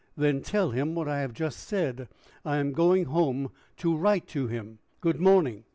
"Then tell him what I have just said. I am going home to write to him. Good morning."